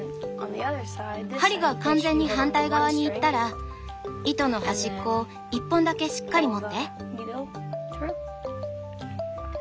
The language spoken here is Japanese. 針が完全に反対側にいったら糸の端っこを一本だけしっかり持って。